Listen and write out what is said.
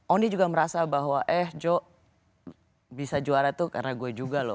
ondi juga merasa bahwa eh joe bisa juara tuh karena gue juga loh